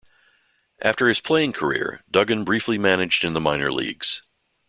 After his playing career, Dugan briefly managed in the minor leagues.